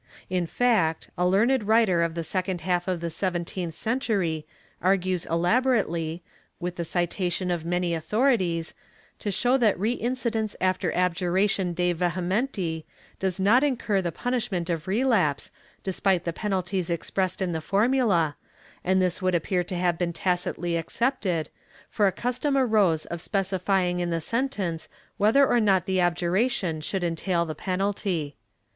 In fact, a learned writer of the second half of the seventeenth century argues elaborately, with the citation of many authorities, to show that reincidence after abjuration de vehementi does not incur the punish ment of relapse, despite the penalties expressed in the formula, and this would appear to have been tacitly accepted, for a custom arose of specifying in the sentence whether or not the abjuration should entail the penalty.